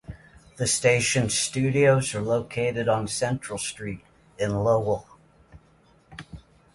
The station's studios are located on Central Street in Lowell.